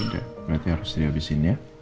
udah berarti harus dihabisin ya